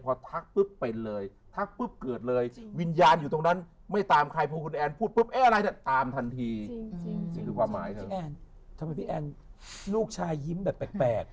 พี่แอนทำไมพี่แอนลูกชายยิ้มแบบแปลก